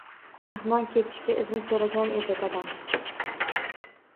Mehmon ketishga izn so’ragan edi, dadam